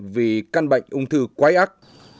vì căn bệnh ung thư quái ác